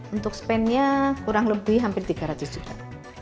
untuk spend nya kurang lebih hampir tiga ratus juta